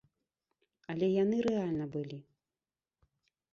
Але яны рэальна былі.